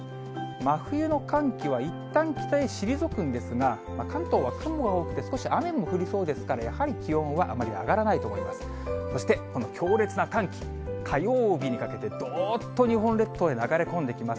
真冬の寒気は、いったん北へ退くんですが、関東は雲が多くて、少し雨も降りそうですから、やはり気温はあまり上がらないと思います。